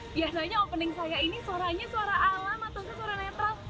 biasanya opening saya ini suaranya suara alam atau suara netral